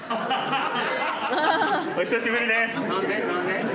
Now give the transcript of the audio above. お久しぶりです！